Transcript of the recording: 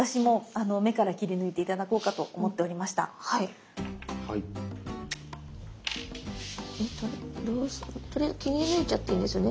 とりあえず切り抜いちゃっていいんですよね？